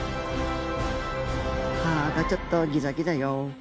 歯がちょっとギザギザよ。